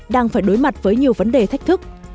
đang phải đối mặt với nhiều vấn đề thách thức